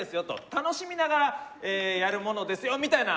楽しみながらやるものですよみたいな。